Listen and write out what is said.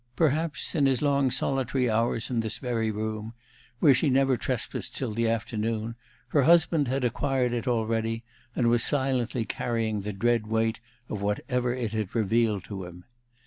Perhaps, in his long solitary hours in this very room, where she never trespassed till the afternoon, her husband had acquired it already, and was silently carrying the dread weight of whatever it had revealed to him.